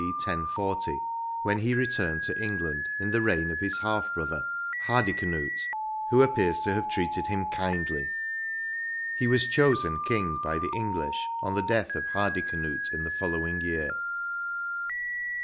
D. 1040, when he returned to England in the reign of his half brother, Hardicanute, who appears to have treated him kindly : he was chosen King by the English on the death of Hardicanute in the following year.